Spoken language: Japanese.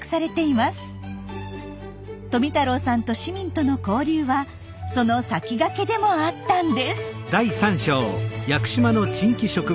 富太郎さんと市民との交流はその先駆けでもあったんです。